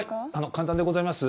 簡単でございます。